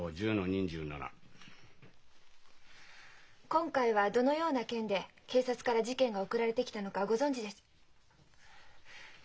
今回はどのような件で警察から事件が送られてきたのかご存じで知っていますか？